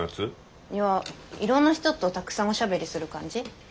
いやいろんな人とたくさんおしゃべりする感じ？